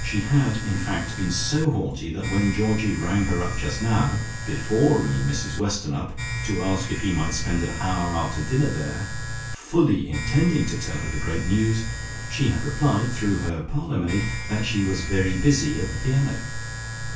She had, in fact, been so haughty that when Georgie rang her up just now, before ringing Mrs Weston up, to ask if he might spend an hour after dinner there, fully intending to tell her the great news, she had replied through her parlour maid that she was very busy at the piano.